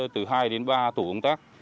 từ hai đến ba tủ công tác